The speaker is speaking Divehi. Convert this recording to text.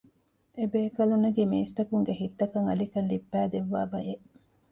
އެ ބޭކަލުންނަކީ މީސްތަކުންގެ ހިތްތަކަށް އަލިކަން ލިއްބައިދެއްވާ ބަޔެއް